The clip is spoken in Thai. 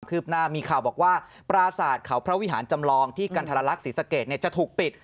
ืบหน้ามีข่าวบอกว่าปราศาสตร์เขาพระวิหารจำลองที่กันทรลักษณ์ศรีสะเกดจะถูกปิด